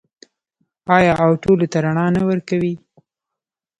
آیا او ټولو ته رڼا نه ورکوي؟